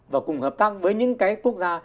và cùng hợp tác với những quốc gia